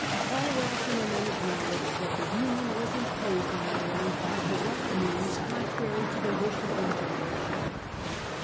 All rational men acknowledged that the Union was imposed on Ireland by corrupt means contrary to the wish of one generation.